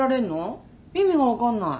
意味が分かんない。